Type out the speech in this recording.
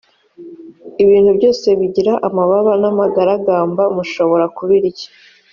ibintu byose bigira amababa n’ amagaragamba mushobora kubirya